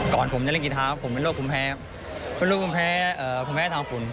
ก่อนผมได้เล่นกี่ท้าผมเป็นโรคภูมิแพ้